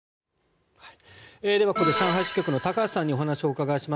ではここで上海支局の高橋さんにお話をお伺いします。